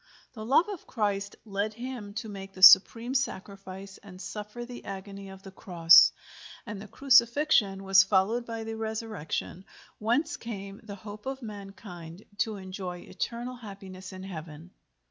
The love of Christ led him to make the supreme sacrifice and suffer the agony of the Cross, and the Crucifixion was followed by the Resurrection, whence came the hope of mankind to enjoy eternal happiness in heaven.